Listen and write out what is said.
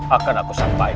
akan aku selamatkan